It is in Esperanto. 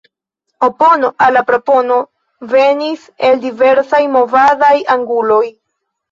Opono al la propono venis el diversaj movadaj anguloj.